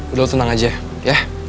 udah tenang aja ya